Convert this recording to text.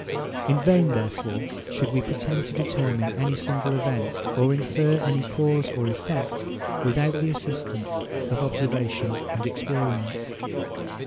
In vain, therefore, should we pretend to determine any single event, or infer any cause or effect, without the assistance of observation and experience.